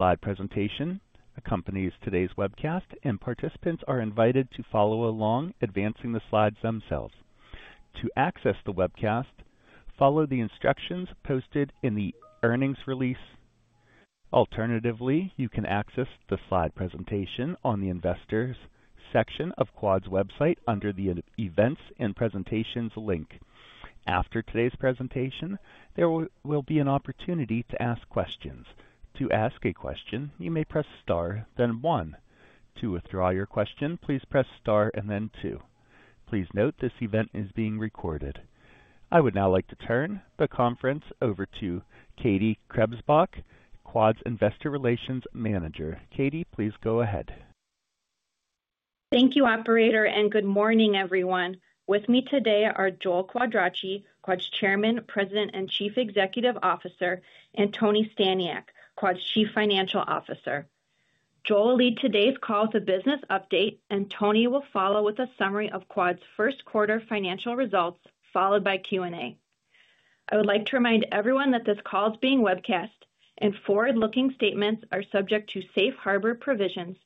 Slide presentation accompanies today's webcast and participants are invited to follow along, advancing the slides themselves. To access the webcast, follow the instructions posted in the Earnings Release. Alternatively, you can access the slide presentation on the Investors section of Quad's website under the Events and Presentations link. After today's presentation there will be an opportunity to ask questions. To ask a question, you may press star, then one. To withdraw your question please press star and then two. Please note this event is being recorded. I would now like to turn the conference over to Katie Krebsbach, Quad's Investor Relations Manager. Katie, please go ahead. Thank you, Operator, and good morning, everyone. With me today are Joel Quadracci, Quad's Chairman, President and Chief Executive Officer, and Tony Staniak, Quad's Chief Financial Officer. Joel will lead today's call with a business update, and Tony will follow with a summary of Quad's first quarter financial results, followed by Q and A. I would like to remind everyone that this call is being webcast, and forward-looking statements are subject to safe harbor provisions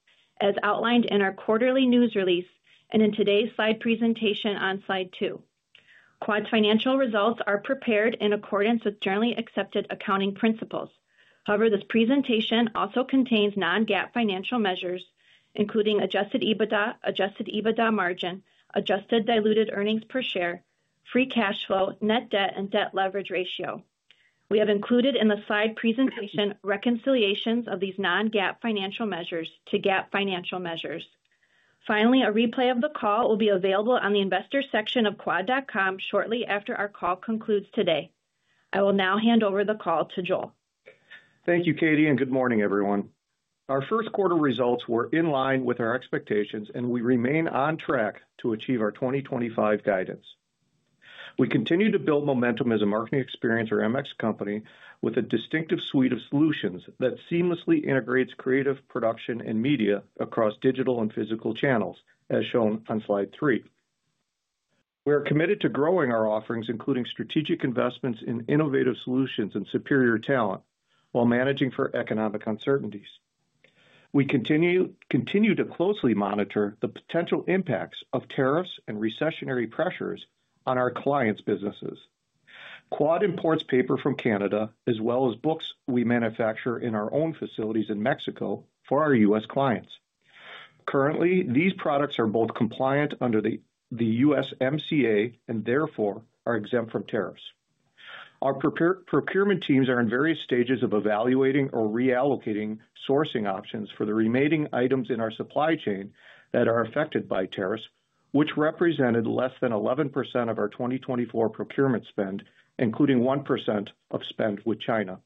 as outlined in our quarterly news release and in today's slide presentation on slide two. Quad's financial results are prepared in accordance with Generally Accepted Accounting Principles. However, this presentation also contains non-GAAP financial measures, including adjusted EBITDA, adjusted EBITDA margin, adjusted diluted earnings per share, free cash flow, net debt, and debt leverage ratio. We have included in the slide presentation reconciliations of these non-GAAP financial measures to GAAP financial measures. Finally, a replay of the call will be available on the investors section of quad.com shortly after our call concludes today. I will now hand over the call to Joel. Thank you, Katie, and good morning, everyone. Our first quarter results were in line with our expectations, and we remain on track to achieve our 2025 guidance. We continue to build momentum as a marketing experience or MX company with a distinctive suite of solutions that seamlessly integrates creative production and media across digital and physical channels, as shown on slide three. We are committed to growing our offerings, including strategic investments in innovative solutions and superior talent, while managing for economic uncertainties. We continue to closely monitor the potential impacts of tariffs and recessionary pressures on our clients' businesses. Quad imports paper from Canada, as well as books we manufacture in our own facilities in Mexico for our U.S. clients. Currently, these products are both compliant under the USMCA and therefore are exempt from tariffs. Our procurement teams are in various stages of evaluating or reallocating sourcing options for the remaining items in our supply chain that are affected by tariffs, which represented less than 11% of our 2024 procurement spend including 1% of spend with China.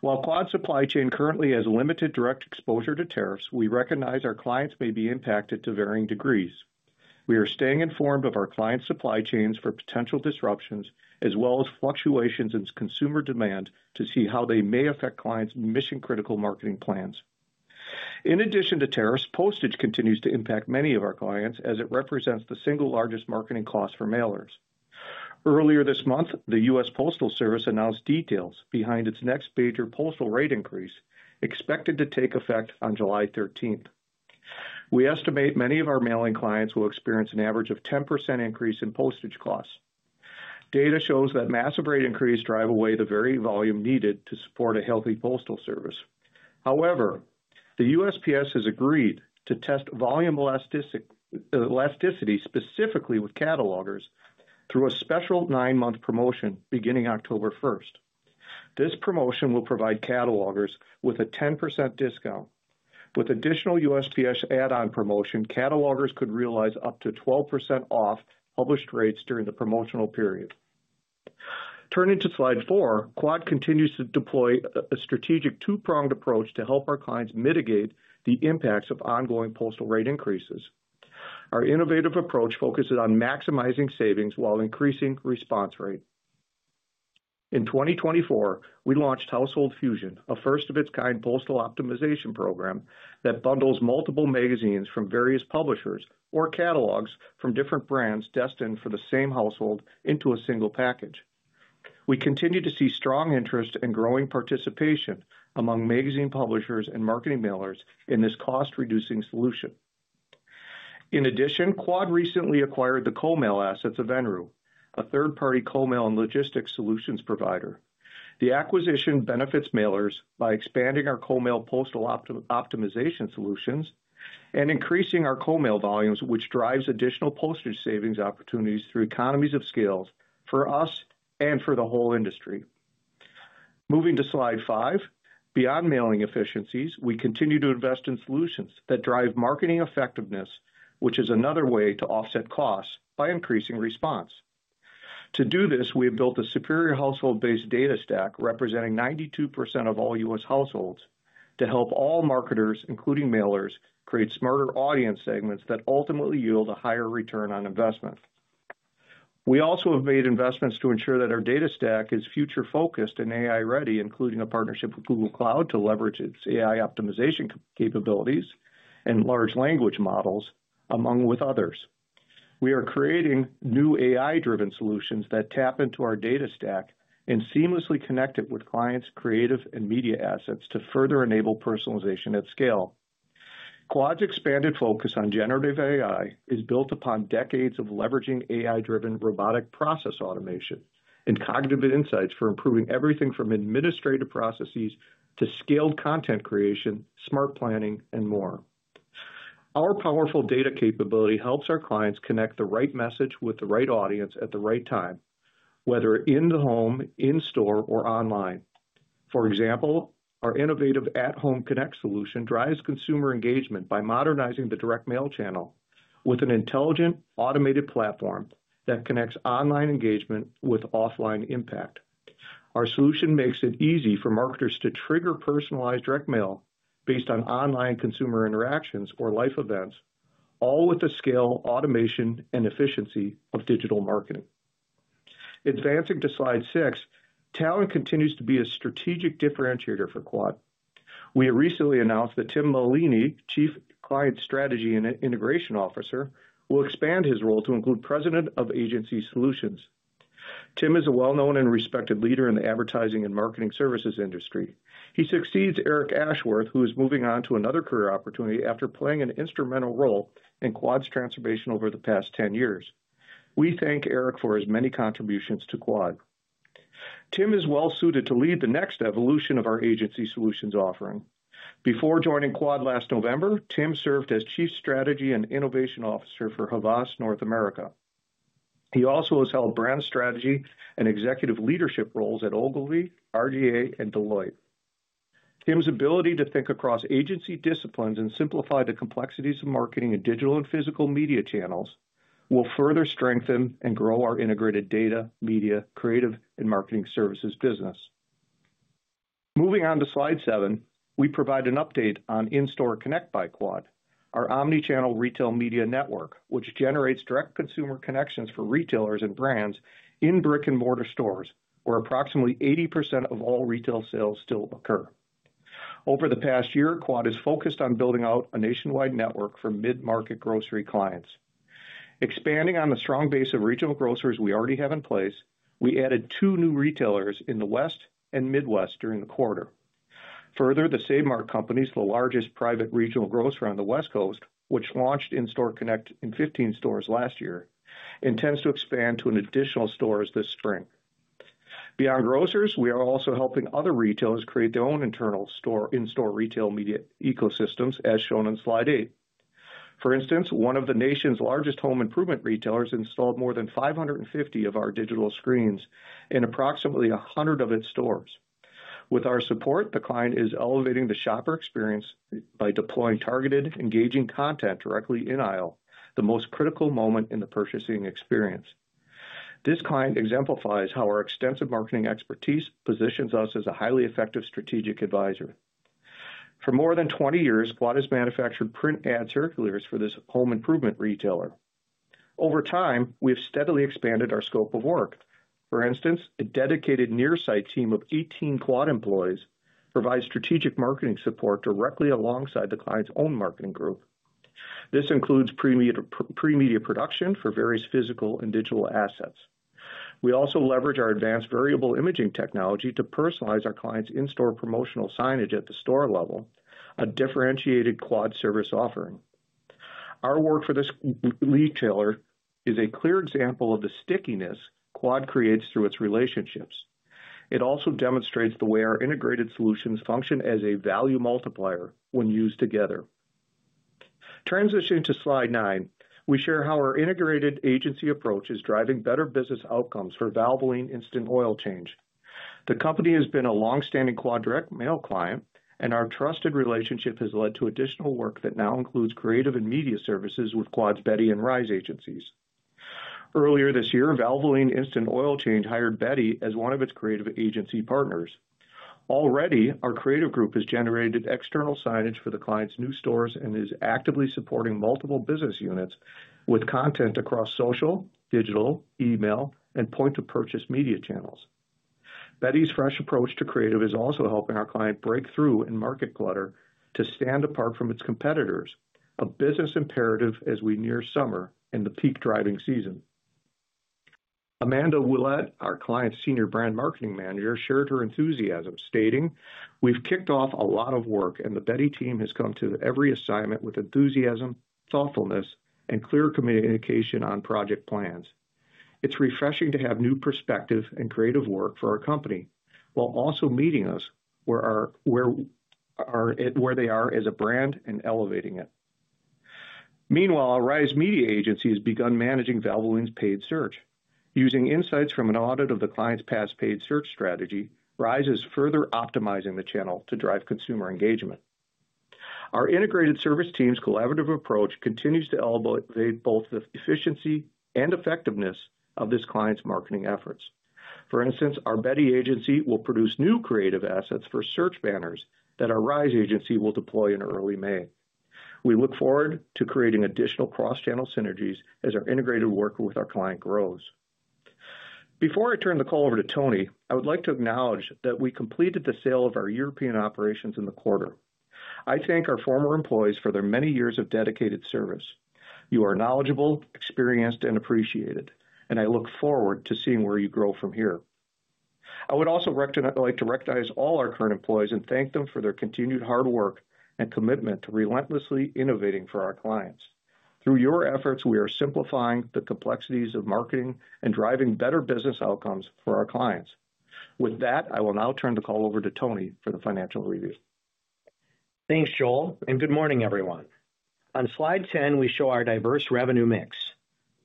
While Quad Supply Chain currently has limited direct exposure to tariffs, we recognize our clients may be impacted to varying degrees. We are staying informed of our client supply chains for potential disruptions as well as fluctuations in consumer demand to see how they may affect clients. Mission-Critical Marketing Plans in addition to tariffs, postage continues to impact many of our clients as it represents the single largest marketing cost for mailers. Earlier this month, the U.S. Postal Service announced details behind its next major postal rate increase, expected to take effect on July 13th. We estimate many of our mailing clients will experience an average of 10% increase in postage costs. Data shows that massive rate increases drive away the very volume needed to support a healthy postal service. However, the USPS has agreed to test volume elasticity specifically with catalogers through a special nine-month promotion beginning October 1st. This promotion will provide catalogers with a 10% discount. With additional USPS add-on promotion, catalogers could realize up to 12% off published rates during the promotional period. Turning to Slide 4, Quad continues to deploy a strategic, two-pronged approach to help our clients mitigate the impacts of ongoing postal rate increases. Our innovative approach focuses on maximizing savings while increasing response rate. In 2024, we launched Household Fusion, a first-of-its-kind postal optimization program that bundles multiple magazines from various publishers or catalogs from different brands destined for the same household into a single package. We continue to see strong interest and growing participation among magazine publishers and marketing mailers in this cost reducing solution. In addition, Quad recently acquired the co-mail assets of Enru, a third party co-mail and logistics solutions provider. The acquisition benefits mailers by expanding our co-mail postal optimization solutions and increasing our co-mail volumes which drives additional postage savings opportunities through economies of scale for us and for the whole industry. Moving to slide five beyond mailing efficiencies, we continue to invest in solutions that drive marketing effectiveness which is another way to offset costs by increasing response. To do this, we have built a superior household-based data stack representing 92% of all U.S. households to help all marketers, including mailers, create smarter audience segments that ultimately yield a higher return on investment. We also have made investments to ensure that our data stack is future-focused and AI ready, including a partnership with Google Cloud to leverage its AI optimization capabilities and large language models. Along with others, we are creating new AI-driven solutions that tap into our data stack and seamlessly connect it with clients' creative and media assets to further enable personalization at scale. Quad's expanded focus on generative AI is built upon decades of leveraging AI-driven robotic process automation and cognitive insights for improving everything from administrative processes to scaled content creation, smart planning, and more. Our powerful data capability helps our clients connect the right message with the right audience at the right time, whether in the home, in store or online. For example, our innovative At-Home Connect solution drives consumer engagement by modernizing the direct mail channel with an intelligent automated platform that connects online engagement with offline impact. Our solution makes it easy for marketers to trigger personalized direct mail based on online consumer interactions or life events, all with the scale, automation and efficiency of digital marketing. Advancing to slide six, talent continues to be a strategic differentiator for Quad. We recently announced that Tim Maleeny, Chief Client Strategy and Integration Officer, will expand his role to include President of Agency Solutions. Tim is a well known and respected leader in the advertising and marketing services industry. He succeeds Eric Ashworth who is moving on to another career opportunity after playing an instrumental role in Quad's transformation over the past 10 years. We thank Eric for his many contributions to Quad. Tim is well suited to lead the next evolution of our Agency Solutions offering. Before joining Quad last November, Tim served as Chief Strategy and Innovation Officer for Havas North America. He also has held brand strategy and executive leadership roles at Ogilvy, R/GA, and Deloitte. Tim's ability to think across agency disciplines and simplify the complexities of marketing in digital and physical media channels will further strengthen and grow our integrated data, media, creative, and marketing services business. Moving on to slide seven, we provide an update on In-Store Connect by Quad, our omnichannel retail media network which generates direct consumer connections for retailers and brands in brick and mortar stores where approximately 80% of all retail sales still occur. Over the past year, Quad has focused on building out a nationwide network for mid-market grocery clients, expanding on the strong base of regional grocers we already have in place. We added two new retailers in the West and Midwest during the quarter. Further, the Save Mart Companies, the largest private regional grocer on the West Coast, which launched In-Store Connect in 15 stores last year, intends to expand to an additional store this spring. Beyond grocers, we are also helping other retailers create their own internal store in-store retail media ecosystems. As shown on slide eight. For instance, one of the nation's largest home improvement retailers installed more than 550 of our digital screens in approximately 100 of its stores. With our support, the client is elevating the shopper experience by deploying targeted, engaging content directly in aisle. The most critical moment in the purchasing experience, this client exemplifies how our extensive marketing expertise positions us as a highly effective strategic advisor. For more than 20 years, Quad has manufactured print ad circulars for this home improvement retailer. Over time, we have steadily expanded our scope of work. For instance, a dedicated nearsight team of 18 Quad employees provides strategic marketing support directly alongside the client's own marketing group. This includes premedia production for various physical and digital assets. We also leverage our advanced variable imaging technology to personalize our clients' in-store promotional signage at the store level. A differentiated Quad service offering. Our work for this retailer is a clear example of the stickiness Quad creates through its relationships. It also demonstrates the way our integrated solutions function as a value multiplier when used together. Transitioning to slide nine, we share how our integrated agency approach is driving better business outcomes for Valvoline Instant Oil Change. The company has been a long-standing Quad direct mail client, and our trusted relationship has led to additional work that now includes creative and media services with Quad's Betty and Rise agencies. Earlier this year, Valvoline Instant Oil Change hired Betty as one of its creative agency partners. Already, our creative group has generated external signage for the client's new stores and is actively supporting multiple business units with content across social media, digital, email, and point of purchase media channels. Betty's fresh approach to creative is also helping our client break through in market clutter to stand apart from its competitors. A business imperative as we near summer in the peak driving season, Amanda Ouellette, our client's Senior Brand Marketing Manager, shared her enthusiasm stating, we've kicked off a lot of work and the Betty team has come to every assignment with enthusiasm, thoughtfulness and clear communication on project plans. It's refreshing to have new perspective and creative work for our company while also meeting us where our where are, where they are as a brand and elevating it. Meanwhile, Rise Media Agency has begun managing Valvoline's paid search. Using insights from an audit of the client's past paid search strategy, Rise is further optimizing the channel to drive consumer engagement. Our integrated service team's collaborative approach continues to elevate both the efficiency and effectiveness of this client's marketing efforts. For instance, our Betty Agency will produce new creative assets for search banners that our Rise Agency will deploy in early May. We look forward to creating additional cross channel synergies as our integrated work with our client grows. Before I turn the call over to Tony, I would like to acknowledge that we completed the sale of our European operations in the quarter. I thank our former employees for their many years of dedicated service. You are knowledgeable, experienced and appreciated and I look forward to seeing where you grow from here. I would also like to recognize all our current employees and thank them for their continued hard work and commitment to relentlessly innovating for our clients. Through your efforts, we are simplifying the complexities of marketing and driving better business outcomes for our clients. With that, I will now turn the call over to Tony for the Financial Review. Thanks, Joel and good morning everyone. On Slide 10, we show our diverse revenue mix.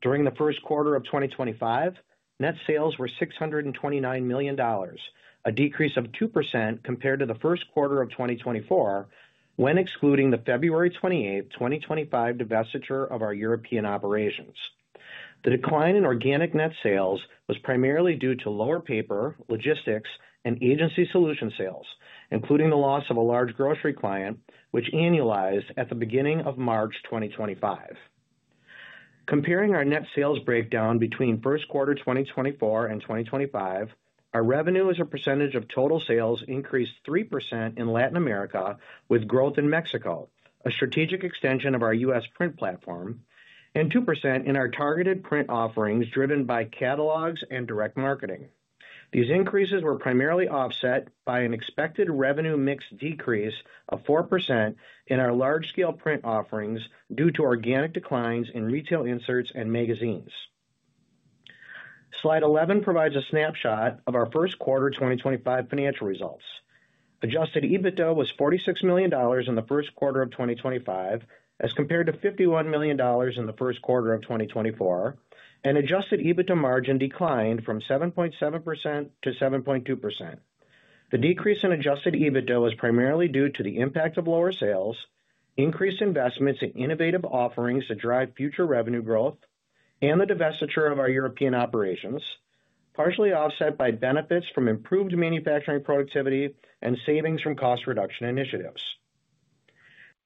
During the first quarter of 2025, net sales were $629 million, a decrease of 2% compared to the first quarter of 2024, when excluding the February 28, 2025 divestiture of our European operations. The decline in organic net sales was primarily due to lower paper logistics and agency solution sales, including the loss of a large grocery client which annualized at the beginning of March 2025. Comparing our net sales breakdown between first quarter 2024 and 2025, our revenue as a percentage of total sales increased 3% in Latin America, with growth in Mexico, a strategic extension of our U.S. print platform, and 2% in our targeted print offerings driven by catalogs and direct marketing. These increases were primarily offset by an expected revenue mix decrease of 4% in our large-scale print offerings due to organic declines in retail inserts and magazines. Slide 11 provides a snapshot of our first quarter 2025 financial results. Adjusted EBITDA was $46 million in the first quarter of 2025 as compared to $51 million in the first quarter of 2024, and adjusted EBITDA margin declined from 7.7% to 7.2%. The decrease in adjusted EBITDA was primarily due to the impact of lower sales, increased investments in innovative offerings to drive future revenue growth, and the divestiture of our European operations, partially offset by benefits from improved manufacturing productivity and savings from cost reduction initiatives.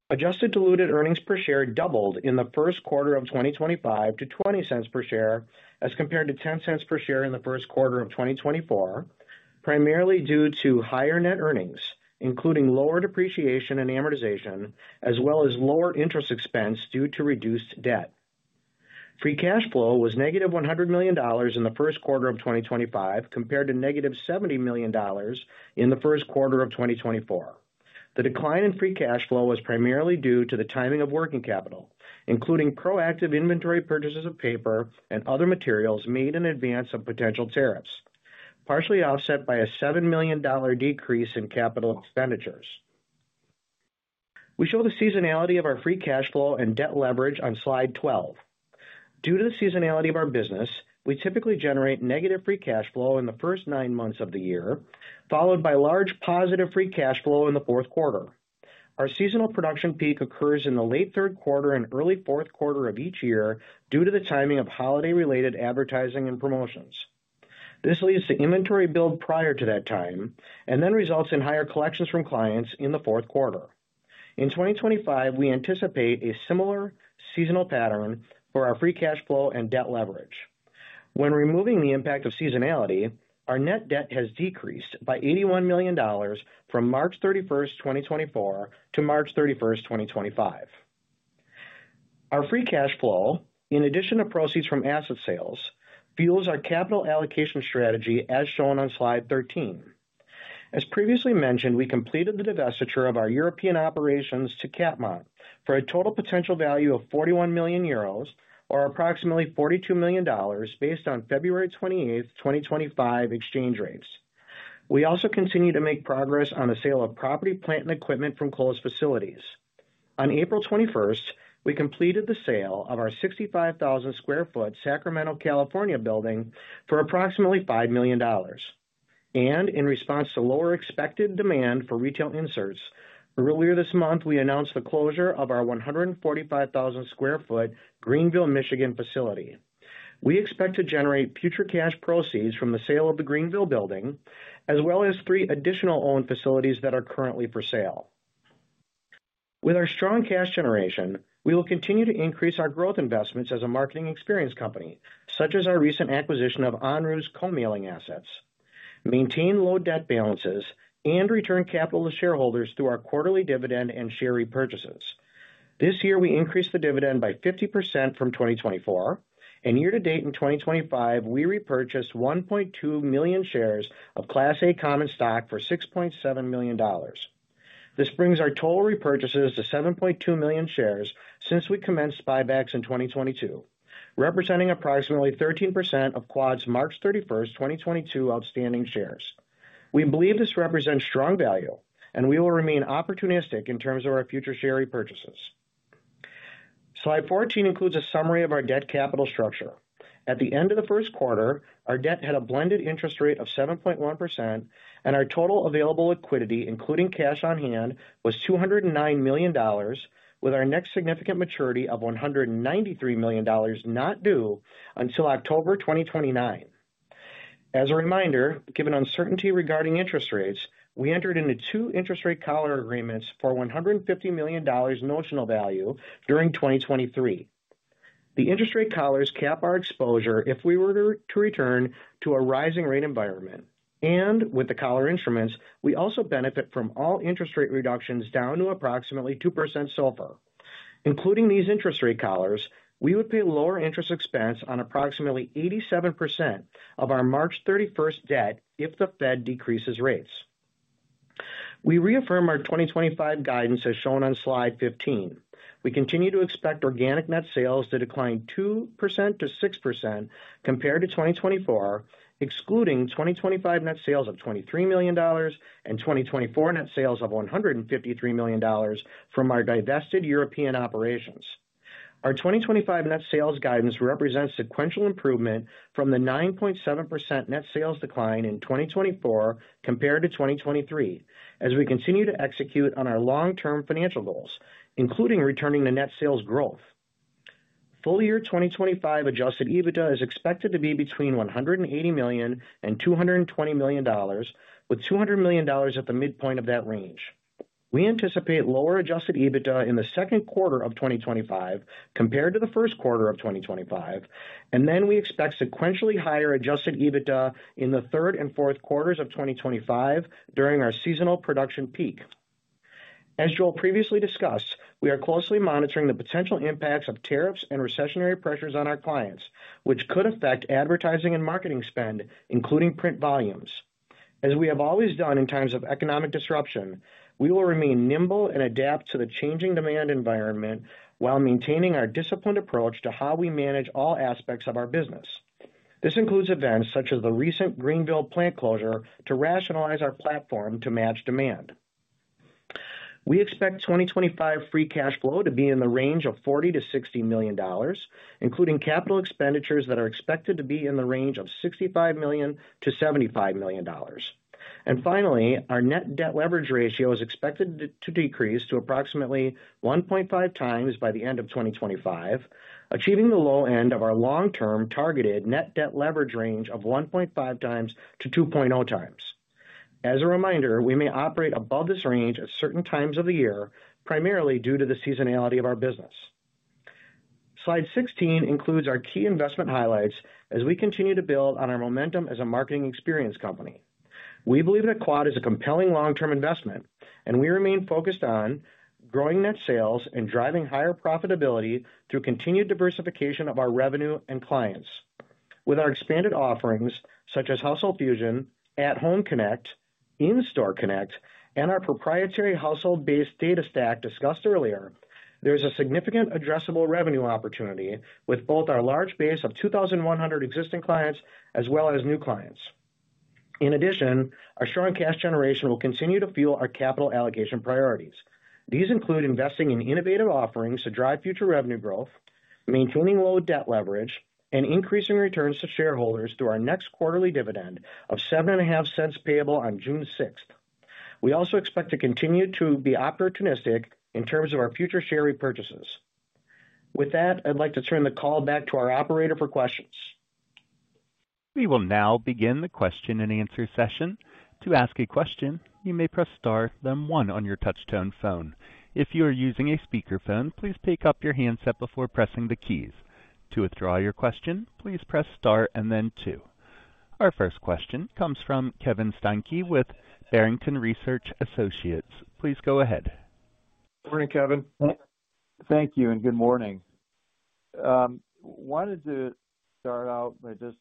Adjusted diluted earnings per share doubled in the first quarter of 2025 to $0.20 per share as compared to $0.10 per share in the first quarter of 2024 primarily due to higher net earnings, including lower depreciation and amortization as well as lower interest expense due to reduced debt. Free cash flow was -$100 million in the first quarter of 2025 compared to -$70 million in the first quarter of 2024. The decline in free cash flow was primarily due to the timing of working capital, including proactive inventory purchases of paper and other materials made in advance of potential tariffs, partially offset by a $7 million decrease in capital expenditures. We show the seasonality of our free cash flow and debt leverage on slide 12. Due to the seasonality of our business, we typically generate negative free cash flow in the first nine months of the year followed by large positive free cash in the fourth quarter. Our seasonal production peak occurs in the late third quarter and early fourth quarter of each year due to the timing of holiday-related advertising and promotions. This leads to inventory build prior to that time and then results in higher collections from clients in the fourth quarter in 2025. We anticipate a similar seasonal pattern for our free cash flow and debt leverage when removing the impact of seasonality. Our net debt has decreased by $81 million from March 31st, 2024 to March 31st, 2025. Our free cash flow, in addition to proceeds from asset sales, fuels our capital allocation strategy as shown on slide 13. As previously mentioned, we completed the divestiture of our European operations to Capmont for a total potential value of 41 million euros or approximately $42 million based on February 28, 2025 exchange rates. We also continue to make progress on the sale of property, plant and equipment from Kohl's facilities. On April 21st, we completed the sale of our 65,000 sq ft Sacramento, California building for approximately $5 million and in response to lower expected demand for retail inserts, earlier this month we announced the closure of our 145,000 sq ft Greenville, Michigan facility. We expect to generate future cash proceeds from the sale of the Greenville building as well as three additional owned facilities that are currently for sale. With our strong cash generation, we will continue to increase our growth investments as a marketing experience company such as our recent acquisition of Enru's Co-Mailing assets, maintain low debt balances and return capital to shareholders through our quarterly dividend and share repurchases. This year we increased the dividend by 50% from 2024 and year to date. In 2025 we repurchased 1.2 million shares of Class A common stock for $6.7 million. This brings our total repurchases to 7.2 million shares since we commenced buybacks in 2022, representing approximately 13% of Quad's March 31st, 2022 outstanding shares. We believe this represents strong value and we will remain opportunistic in terms of. Our future share repurchases. Slide 14 includes a summary of our debt capital structure. At the end of the first quarter, our debt had a blended interest rate of 7.1% and our total available liquidity including cash on hand was $209 million, with our next significant maturity of $193 million not due until October 2029. As a reminder, given uncertainty regarding interest rates, we entered into two interest rate collar agreements for $150 million notional value during 2023. The interest rate collars cap our exposure if we were to return to a rising rate environment and with the collar instruments, we also benefit from all interest rate reductions down to approximately 2% so far. Including these interest rate collars, we would pay lower interest expense on approximately 87% of our March 31st debt. If the Fed decreases rates, we reaffirm our 2025 guidance as shown on Slide 15. We continue to expect organic net sales to decline 2%-6% compared to 2024, excluding 2025 net sales of $23 million and 2024 net sales of $153 million from our divested European operations. Our 2025 net sales guidance represents sequential improvement from the 9.7% net sales decline in 2024 compared to 2023 as we continue to execute on our long-term financial goals, including returning to net sales growth. Full year 2025 adjusted EBITDA is expected to be between $180 million and $220 million, with $200 million at the midpoint of that range. We anticipate lower adjusted EBITDA in the second quarter of 2025 compared to the first quarter of 2025 and then we expect sequentially higher adjusted EBITDA in the third and fourth quarters of 2025 during our seasonal production peak. As Joel previously discussed, we are closely monitoring the potential impacts of tariffs and recessionary pressures on our clients which could affect advertising and marketing spend, including print volumes. As we have always done in times of economic disruption, we will remain nimble and adapt to the changing demand environment while maintaining our disciplined approach to how we manage all aspects of our business. This includes events such as the recent Greenville plant closure. To rationalize our platform to match demand, we expect 2025 free cash flow to be in the range of $40 million-$60 million, including capital expenditures that are expected to be in the range of $65 million-$75 million. Finally, our net debt leverage ratio is expected to decrease to approximately 1.5x by the end of 2025, achieving the low end of our long term targeted net debt leverage range of 1.5x-2.0x. As a reminder, we may operate above this range at certain times of the year, primarily due to the seasonality of our business. Slide 16 includes our key investment highlights as we continue to build on our momentum as a marketing experience company. We believe that Quad is a compelling long term investment and we remain focused on growing net sales and driving higher profitability through continued diversification of our revenue and clients. With our expanded offerings such as Household Fusion, At-Home Connect, In-Store Connect and our proprietary household based data stack discussed earlier, there is a significant addressable revenue opportunity with both our large base of 2,100 existing clients as well as new clients. In addition, our strong cash generation will continue to fuel our capital allocation priorities. These include investing in innovative offerings to drive future revenue growth, maintaining low debt leverage and increasing returns to shareholders through our next quarterly dividend of $0.075 payable on June 6th. We also expect to continue to be opportunistic in terms of our future share repurchases. With that, I'd like to turn the call back to our operator for questions. We will now begin the question and answer session. To ask a question, you may press star, then one on your touchtone phone. If you are using a speakerphone, please pick up your handset before pressing the keys. To withdraw your question, please press star and then two. Our first question comes from Kevin Steinke with Barrington Research Associates. Please go ahead. Morning, Kevin. Thank you and good morning. Wanted to start out by just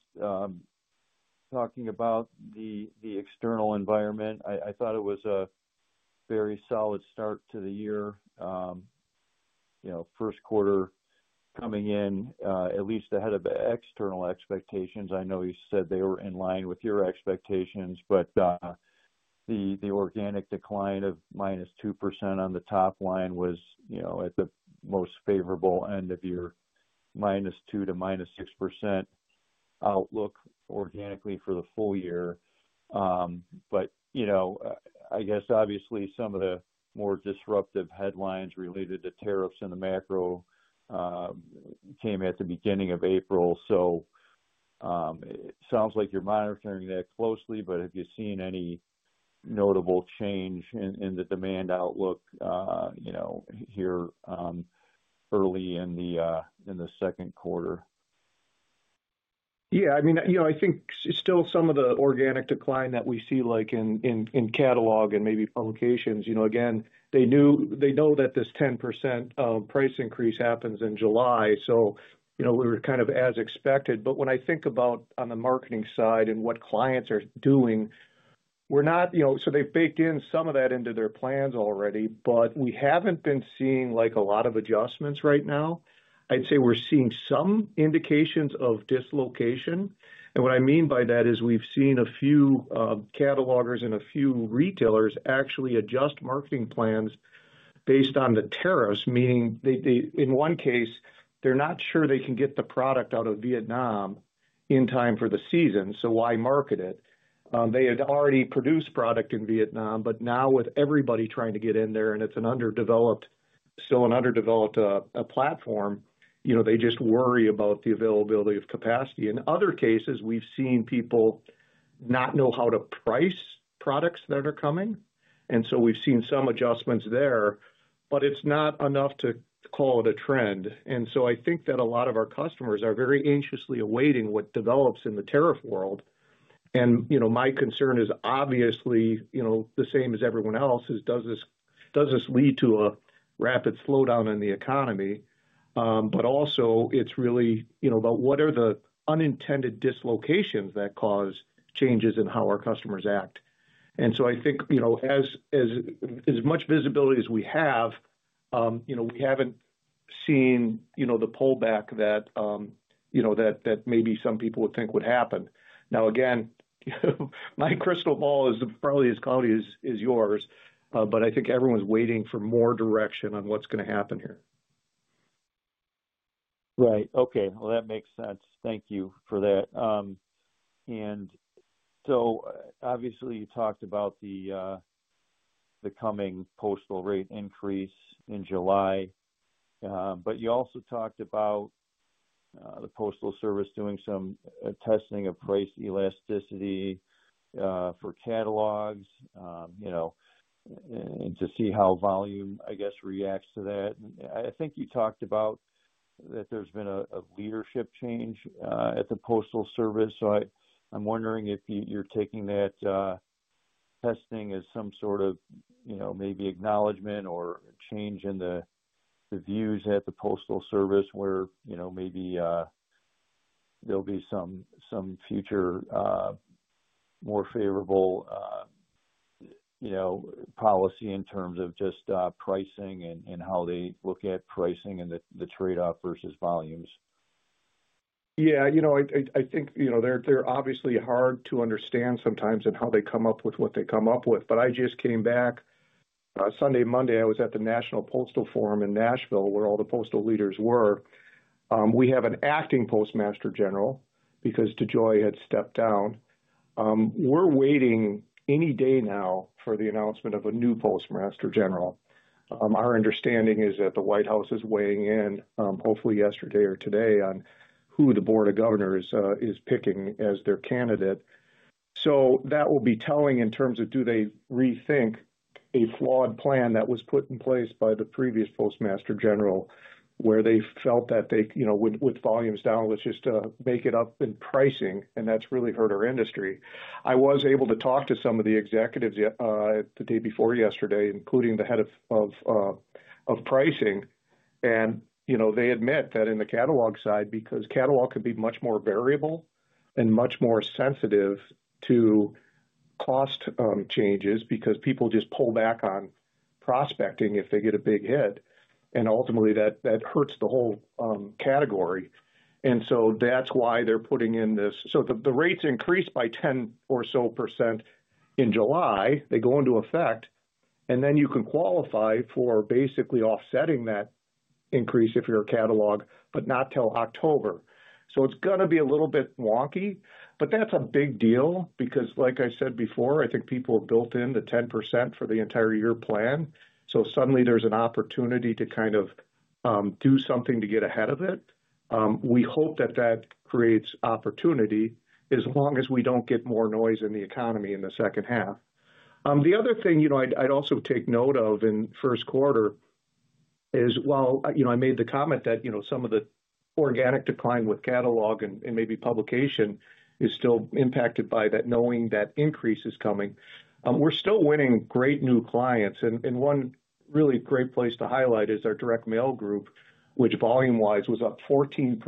talking about the external environment. I thought it was a very solid start to the year, first quarter coming in at least ahead of external expectations. I know you said they were in line with your expectations, but the organic decline of -2% on the top line was, you know, at the most favorable end of your -2% to -6% outlook organically for the full year. You know, I guess obviously some of the more disruptive headlines related to tariffs in the macro came at the beginning of April. It sounds like you're monitoring that closely. Have you seen any notable change in the demand outlook here early in the second quarter? Yeah, I mean, I think still some of the organic decline that we see like in catalog and maybe publications again, they knew, they know that this 10% price increase happens in July. You know, we were kind of as expected. When I think about on the marketing side and what clients are doing, we're not, you know, so they've baked in some of that into their plans already. We haven't been seeing like a lot of adjustments right now. I'd say we're seeing some indications of dislocation. What I mean by that is we've seen a few catalogers and a few retailers actually adjust marketing plans based on the tariffs, meaning in one case, they're not sure they can get the product out of Vietnam in time for the season. So why market it? They had already produced product in Vietnam, but now with everybody trying to get in there and it's an underdeveloped, still an underdeveloped platform, you know, they just worry about the availability of capacity. In other cases, we've seen people not know how to price products that are coming, and we've seen some adjustments there, but it's not enough to call it a trend. I think that a lot of our customers are very anxiously awaiting what develops in the tariff world. You know, my concern is obviously, you know, the same as everyone else is. Does this. Does this lead to a rapid slowdown in the economy? It is really, you know, about what are the unintended dislocations that cause changes in how our customers act. I think, you know, as much visibility as we have, you know, we have not seen, you know, the pullback that, you know, that maybe some people would think would happen. Now, again, my crystal ball is probably as cloudy as yours, but I think everyone's waiting for more direction on what is going to happen here. Right. Okay. That makes sense. Thank you for that. Obviously you talked about the coming postal rate increase in July, but you also talked about the Postal Service doing some testing of price elasticity for catalogs and to see how volume, I guess, reacts to that. I think you talked about that there's been a leadership change at the Postal Service. I'm wondering if you're taking that testing as some sort of, you know, maybe acknowledgement or change in the views at the Postal Service where, you know, maybe there'll be some future, more favorable, you know, policy in terms of just pricing and how they look at pricing and the trade off versus volumes. Yeah, you know, I think, you know, they're obviously hard to understand sometimes and how they come up with what they come up with. I just came back Sunday, Monday, I was at the National Postal Forum in Nashville where all the postal leaders were. We have an acting Postmaster General because DeJoy had stepped down. We're waiting any day now for the announcement of a new Postmaster General. Our understanding is that the White House is weighing in, hopefully yesterday or today on who the Board of Governors is picking as their candidate. That will be telling. In terms of do they rethink a flawed plan that was put in place by the previous Postmaster General where they felt that they, you know, with volumes down, let's just make it up in pricing. That has really hurt our industry. I was able to talk to some of the executives the day before yesterday, including the head of pricing and, you know, they admit that in the catalog side because catalog could be much more variable and much more sensitive to cost changes because people just pull back on prospecting if they get a big hit. Ultimately, that hurts the whole category. That is why they are putting in this. The rates increase by 10% or so in July, they go into effect, and then you can qualify for basically offsetting that increase if you are a catalog, but not until October. It is going to be a little bit wonky. That is a big deal because, like I said before, I think people built in the 10% for the entire year plan. Suddenly there's an opportunity to kind of do something to get ahead of it. We hope that that creates opportunity as long as we don't get more noise in the economy in the second half. The other thing, you know, I'd also take note of in first quarter is while, you know, I made the comment that, you know, some of the organic decline with catalog and maybe publication is still impacted by that. Knowing that increase is coming, we're still winning great new clients. One really great place to highlight is our direct mail group, which volume-wise was up 14%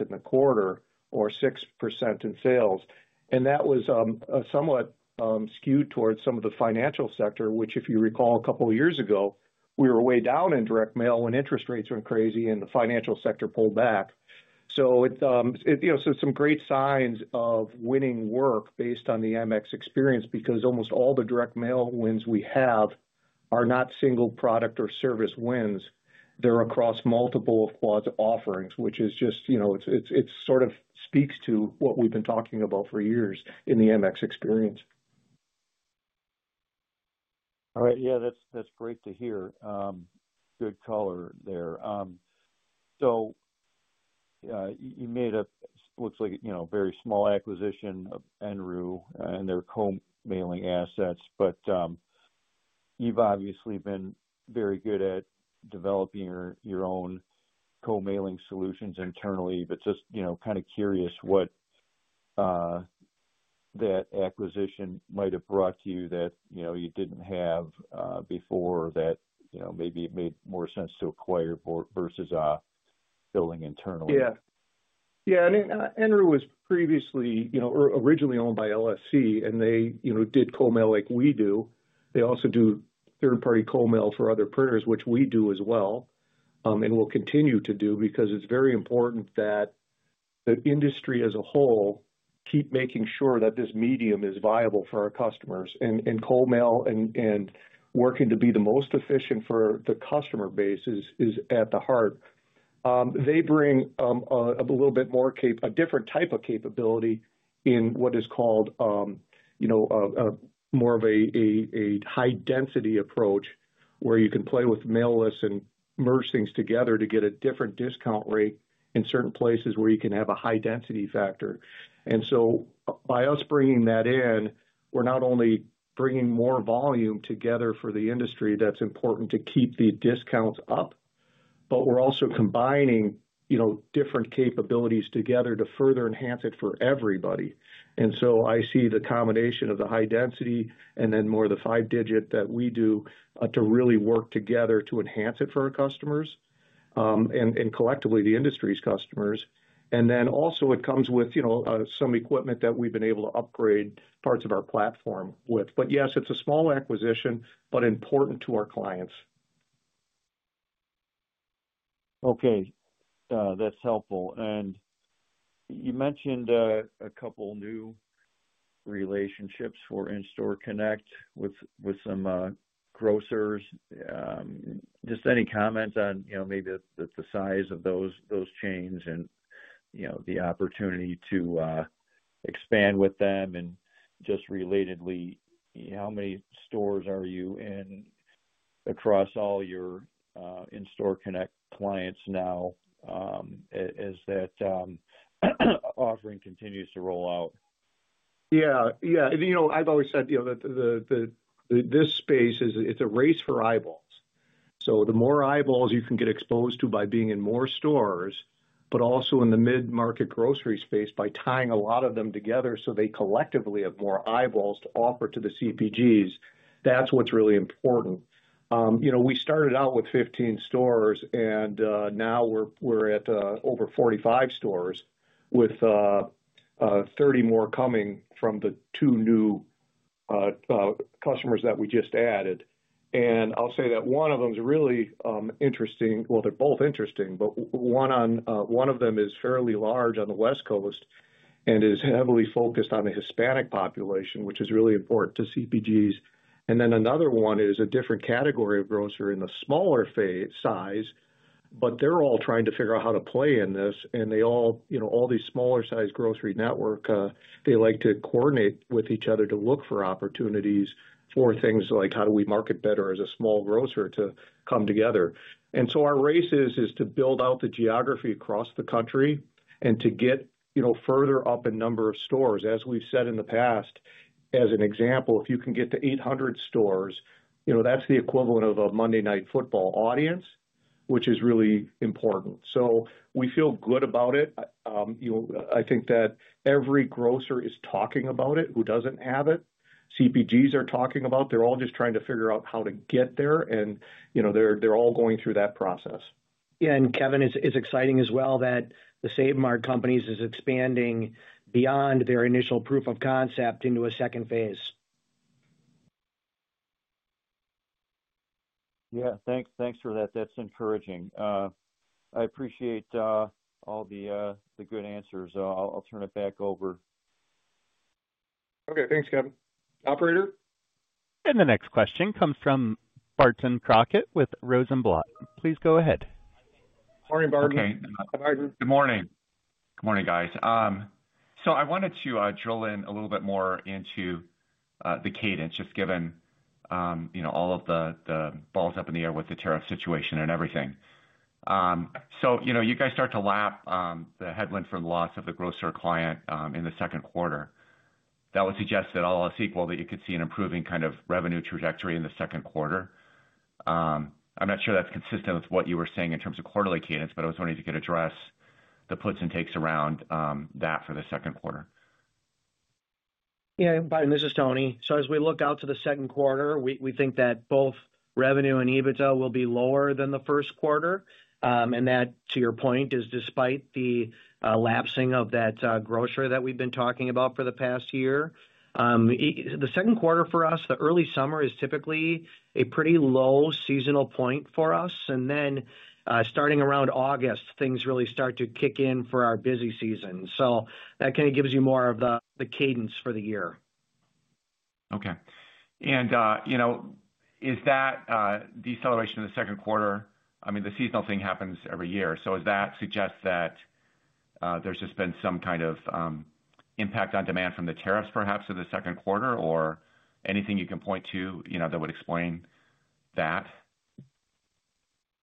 in the quarter or 6% in sales. That was somewhat skewed towards some of the financial sector which if you recall a couple of years ago we were way down in direct mail when interest rates went crazy and the financial sector pulled back. Are some great signs of winning work based on the MX experience because almost all the direct mail wins we have are not single product or service wins. They are across multiple of Quad's offerings, which is just it sort of speaks to what we have been talking about for years in the MX experience. All right, yeah, that's great to hear. Good color there. You made a, looks like a very small acquisition of Enru and their Co-Mailing assets. You've obviously been very good at developing your own Co-Mailing solutions internally. Just kind of curious what that acquisition might have brought to you that you know, you didn't have before that, you know, maybe it made more sense to acquire versus building internally. Yeah, yeah. And Enru was previously, you know, originally owned by LSC and they, you know, did co-mail like we do. They also do third party co-mail for other printers, which we do as well and will continue to do because it's very important that the industry as a whole keep making sure that this medium is viable for our customers. And co-mail and working to be the most efficient for the customer base is at the heart. They bring a little bit more a different type of capability in what is called more of a high-density approach where you can play with mail lists and merge things together to get a different discount rate in certain places where you can have a high-density factor. By us bringing that in, we're not only bringing more volume together for the industry that's important to keep the discounts up, but we're also combining, you know, different capabilities together to further enhance it for everybody. I see the combination of the high-density and then more of the five-digit that we do to really work together to enhance it for our customers and collectively the industry's customers. It also comes with, you know, some equipment that we've been able to upgrade parts of our platform with. Yes, it's a small acquisition but important to our clients. Okay, that's helpful. You mentioned a couple new relationships for In-Store Connect with some grocers. Just any comments on, you know, maybe the size of those chains and, you know, the opportunity to expand with them. Just relatedly, how many stores are you in across all your In-Store Connect clients now as that offering continues to roll out? Yeah, yeah. You know, I've always said, you know, that this space is, it's a race for eyeballs. The more eyeballs you can get exposed to by being in more stores but also in the mid market grocery space by tying a lot of them together so they collectively have more eyeballs to offer to the CPGs. That's what's really important. You know, we started out with 15 stores and now we're at over 45 stores with 30 more coming from the two new customers that we just added. I'll say that one of them is really interesting. They're both interesting, but one of them is fairly large on the West Coast and is heavily focused on the Hispanic population which is really important to CPGs. Another one is a different category of grocer in the smaller size. They're all trying to figure out how to play in this. They all, you know, all these smaller sized grocery network, they like to coordinate with each other to look for opportunities for things like how do we market better as a small grocer to come together. Our race is to build out the geography across the country and to get, you know, further up in number of stores. As we've said in the past, as an example, if you can get to 800 stores, you know, that's the equivalent of a Monday Night Football audience, which is really important. We feel good about it. I think that every grocer is talking about it who doesn't have it. CPGs are talking about it. They're all just trying to figure out how to get there, and they're all going through that process. Kevin, it's exciting as well that the Save Mart Companies is expanding beyond their initial proof of concept into a second phase. Yeah, thanks. Thanks for that. That's encouraging. I appreciate all the good answers. I'll turn it back over. Okay, thanks, Kevin. Operator. The next question comes from Barton Crockett with Rosenblatt. Please go ahead. Morning, Barton. Good morning. Good morning, guys. I wanted to drill in a little bit more into the cadence, just given, you know, all of the balls up in the air with the tariff situation and everything. You know, you guys start to lap the headwind for the loss of the grocer client in the second quarter, that would suggest that, all else equal, you could see an improving kind of revenue trajectory in the second quarter. I'm not sure that's consistent with what you were saying in terms of quarterly cadence, but I was wondering if you could address the puts and takes around that for the second quarter. Yeah, this is Tony. As we look out to the second quarter, we think that both revenue and EBITDA will be lower than the first quarter. That, to your point, is despite the lapsing of that grocer that we've been talking about for the past year. The second quarter for us, the early summer, is typically a pretty low seasonal point for us. Starting around August, things really start to kick in for our busy season. That kind of gives you more of the cadence for the year. Okay. You know, is that deceleration in the second quarter? I mean, the seasonal thing happens every year. Does that suggest that there's just been some kind of impact on demand from the tariffs, perhaps in the second quarter or anything you can point to? You know, that would explain.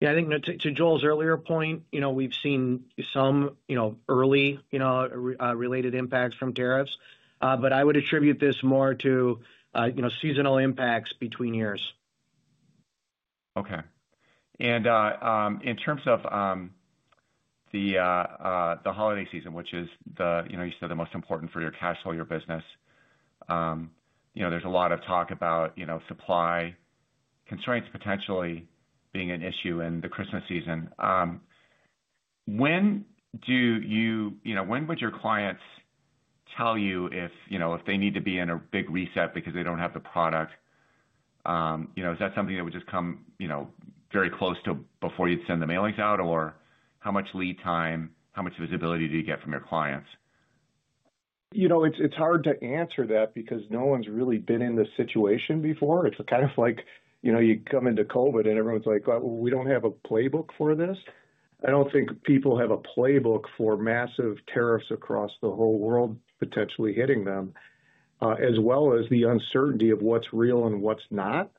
Yeah, I think to Joel's earlier point, you know, we've seen some, you know, early, you know, related impacts from tariffs, but I would attribute this more to, you know, seasonal impacts between years. Okay. In terms of the holiday season, which is the, you know, you said the most important for your cash flow, your business. You know, there's a lot of talk about, you know, supply constraints potentially being an issue in the Christmas season. When do you, you know, when would your clients tell you if, you know, if they need to be in a big reset because they don't have the product? You know, is that something that would just come, you know, very close to before you'd send the mailings out or how much lead time, how much visibility do you get from your clients? You know, it's hard to answer that because no one's really been in this situation before. It's kind of like, you know, you come into COVID and everyone's like, we don't have a playbook for this. I don't think people have a playbook for massive tariffs across the whole world, potentially hitting them, as well as the uncertainty of what's real and what's not.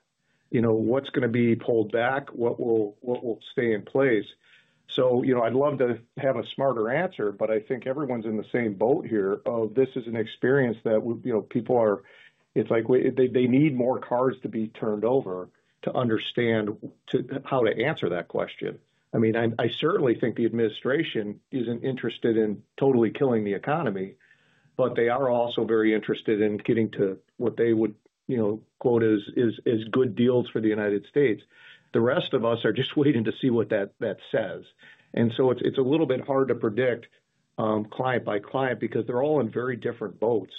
You know, what's going to be pulled back, what will stay in place. You know, I'd love to have a smarter answer, but I think everyone's in the same boat here of this is an experience that, you know, people are. It's like they need more cars to be turned over to understand how to answer that question. I mean, I certainly think the administration isn't interested in totally killing the economy, but they are also very interested in getting to what they would quote as good deals for the United States. The rest of us are just waiting to see what that says. It's a little bit hard to predict client by client because they're all in very different boats.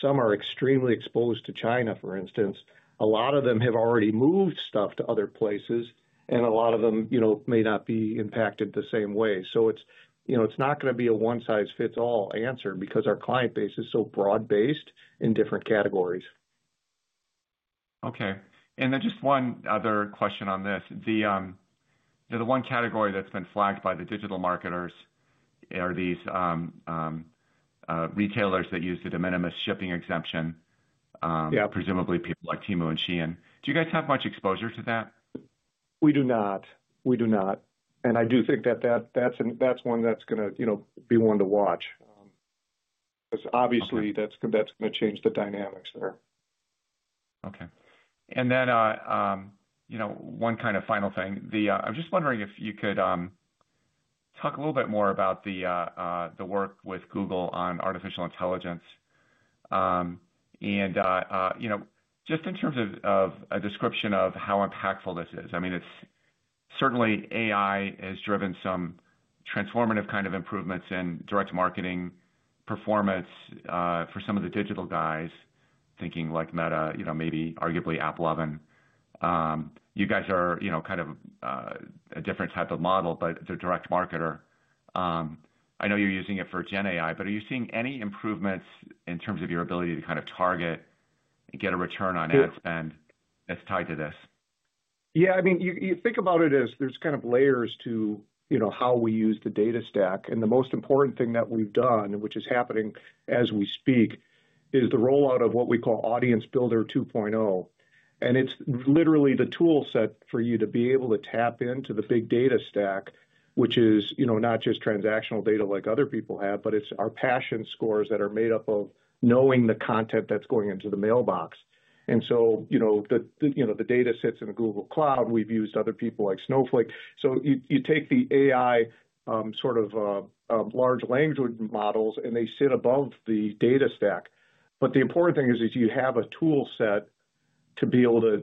Some are extremely exposed to China, for instance. A lot of them have already moved stuff to other places, and a lot of them may not be impacted the same way. It's not going to be a one size fits all answer because our client base is so broad, based in different categories. Okay, and then just one other question on this. The one category that's been flagged by the digital marketers are these retailers that use the de minimis shipping exemption. Presumably people like Temu and Shein. Do you guys have much exposure to that? We do not. We do not. I do think that that's one that's going to be one to watch because obviously that's going to change the dynamics there. Okay, and then one kind of final thing. I'm just wondering if you could talk a little bit more about the work with Google on Artificial Intelligence and just in terms of a description of how impactful this is. I mean, certainly AI has driven some transformative kind of improvements in direct marketing performance for some of the digital guys thinking like Meta, you know, maybe arguably AppLovin, you guys are, you know, kind of a different type of model, but the direct marketer, I know you're using it for gen AI, but are you seeing any improvements in terms of your ability to kind of target and get a return on ad spend that's tied to this? Yeah, I mean, you think about it as there's kind of layers to, you know, how we use the data stack. The most important thing that we've done, which is happening as we speak, is the rollout of what we call Audience Builder 2.0. It's literally the tool set for you to be able to tap into the big data stack, which is, you know, not just transactional data like other people have, but it's our passion scores that are made up of knowing the content that's going into the mailbox. You know, the data sits in Google Cloud. We've used other people like Snowflake. You take the AI sort of large language models and they sit above the data stack. The important thing is you have a tool set to be able to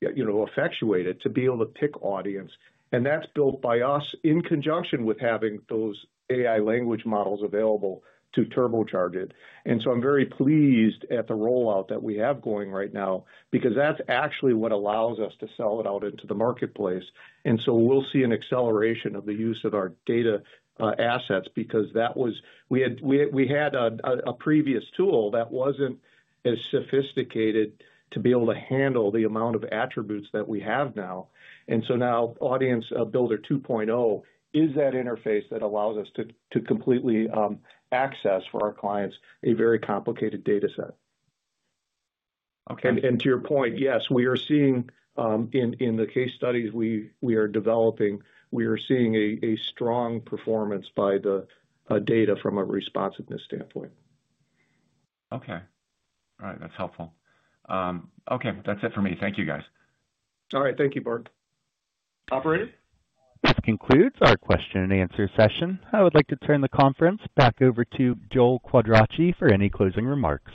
effectuate it, to be able to pick audience. That is built by us in conjunction with having those AI language models available to turbocharge it. I am very pleased at the rollout that we have going right now because that is actually what allows us to sell it out into the marketplace. We will see an acceleration of the use of our data assets, because that was. We had. We had a previous tool that was not as sophisticated to be able to handle the amount of attributes that we have now. Now Audience Builder 2.0 is that interface that allows us to completely access for our clients a very complicated data set. Okay, and to your point, yes, we are seeing, in the case studies we are developing, we are seeing a strong performance by the data from a responsiveness standpoint. Okay, all right, that's helpful. Okay, that's it for me. Thank you, guys. All right, thank you, Bart Operator. This concludes our question and answer session. I would like to turn the conference back over to Joel Quadracci for any closing remarks.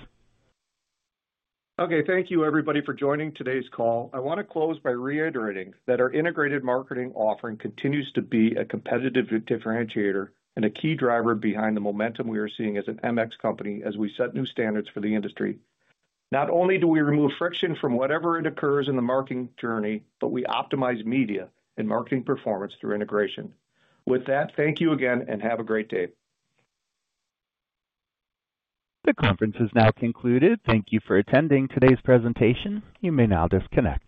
Okay, thank you, everybody, for joining today's call. I want to close by reiterating that our integrated marketing offering continues to be a competitive differentiator and a key driver behind the momentum we are seeing as an MX company, as we set new standards for the industry. Not only do we remove friction from wherever it occurs in the marketing journey, but we optimize media and marketing performance through integration with that. Thank you again and have a great day. The conference has now concluded. Thank you for attending today's presentation. You may now disconnect.